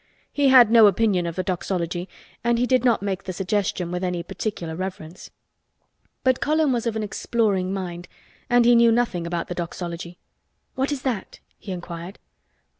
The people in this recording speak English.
He had no opinion of the Doxology and he did not make the suggestion with any particular reverence. But Colin was of an exploring mind and he knew nothing about the Doxology. "What is that?" he inquired.